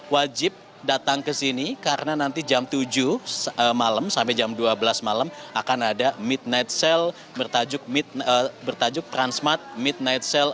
wajib datang ke sini karena nanti jam tujuh malam sampai jam dua belas malam akan ada midnight sale bertajuk transmart midnight sale